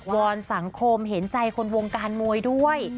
อนสังคมเห็นใจคนวงการมวยด้วย